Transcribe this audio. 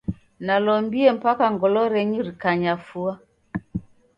Nalombie mpaka ngolo renyu rikanyafua.